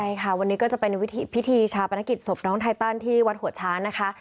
ใช่ค่ะวันนี้ก็จะเป็นพิธีชาปนกิจศพน้องไทตันที่วัดหัวช้างนะคะ